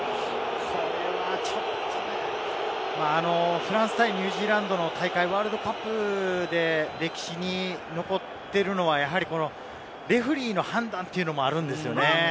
フランス対ニュージーランドのワールドカップで歴史に残っているのはレフェリーの判断というのもあるんですよね。